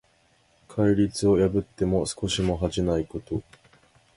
戒律を破っても少しも恥じないこと。